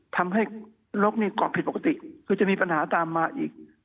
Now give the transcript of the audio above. ทำให้รกนี่เกาะผิดปกติคือจะมีปัญหาตามมาอีก